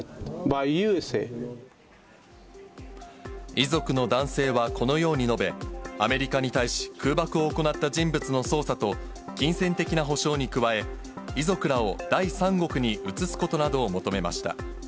遺族の男性はこのように述べ、アメリカに対し、空爆を行った人物の捜査と、金銭的な補償に加え、遺族らを第三国に移すことなどを求めました。